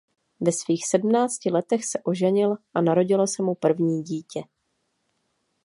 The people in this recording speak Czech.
Ve svých sedmnácti letech se oženil a narodilo se mu první dítě.